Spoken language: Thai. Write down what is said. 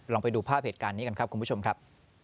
ไปดูภาพเหตุการณ์นี้กันครับคุณผู้ชมครับ